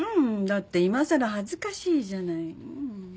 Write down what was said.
だっていまさら恥ずかしいじゃない。